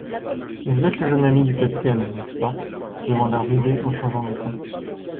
Vous êtes le jeune ami du capitaine, n'est-ce pas ? Demanda Rubé en changeant de ton.